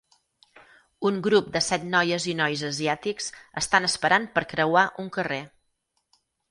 Un grup de set noies i nois asiàtics estan esperant per creuar un carrer.